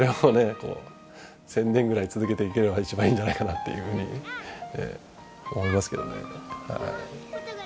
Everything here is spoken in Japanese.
こう１０００年ぐらい続けていければ一番いいんじゃないかなっていうふうに思いますけどね。